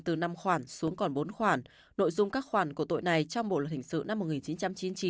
từ năm khoản xuống còn bốn khoản nội dung các khoản của tội này trong bộ luật hình sự năm một nghìn chín trăm chín mươi chín